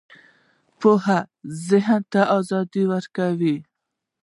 پوهه ذهن ته ازادي ورکوي